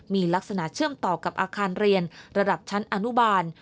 มีลักษณะเชื่อมต่อกับอาคารเรียนระดับชั้นอนุบาล